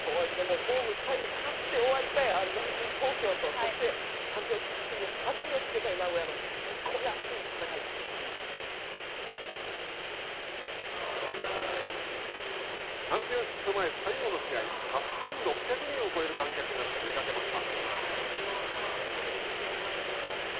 ホーム最後勝って終わりたいアルバルク東京とそして、チャンピオンシップに弾みをつけたい、名古屋の最高に熱い戦いでチャンピオンシップ前最後の試合８６００人を超える観客が詰めかけました。